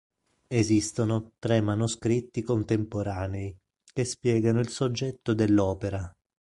Esistono tre manoscritti contemporanei che spiegano il soggetto dell'opera.